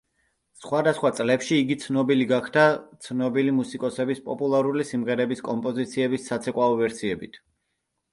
სხვადასხვა წლებში იგი ცნობილი გახდა ცნობილი მუსიკოსების პოპულარული სიმღერების კომპოზიციების საცეკვაო ვერსიებით.